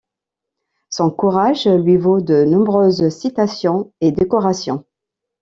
Son courage lui vaut de nombreuses citations et décorations.